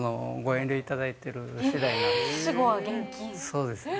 そうですね。